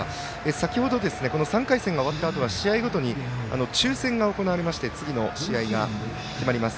先ほど、この３回戦が終わったあとに抽せんが行われまして次の試合が決まります。